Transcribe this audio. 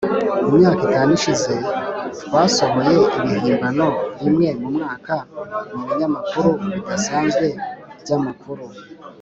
mumyaka itanu ishize twasohoye ibihimbano rimwe mumwaka mubinyamakuru bidasanzwe byamakuru,